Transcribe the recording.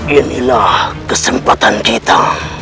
inilah kesempatan kita